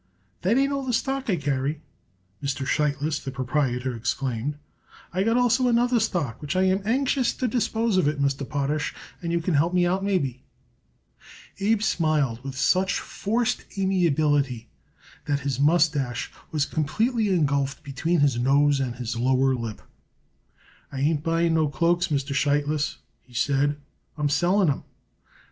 "That ain't all the stock I carry," Mr. Sheitlis, the proprietor, exclaimed. "I got also another stock which I am anxious to dispose of it, Mr. Potash, and you could help me out, maybe." Abe smiled with such forced amiability that his mustache was completely engulfed between his nose and his lower lip. "I ain't buying no cloaks, Mr. Sheitlis," he said. "I'm selling 'em."